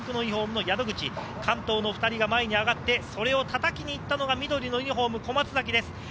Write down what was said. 関東の２人が前に上がってそれをたたきに行ったのが緑の小松崎です。